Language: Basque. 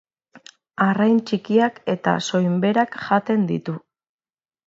Arrain txikiak eta soinberak jaten ditu.